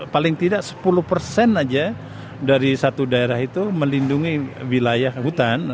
paling tidak sepuluh persen aja dari satu daerah itu melindungi wilayah hutan